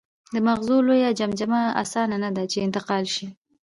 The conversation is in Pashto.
د مغزو لویه جمجمه اسانه نهده، چې انتقال شي.